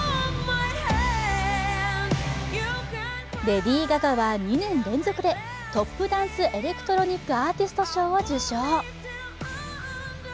レディー・ガガは２年連続でトップ・ダンス／エレクトロニック・アーティスト賞を受賞。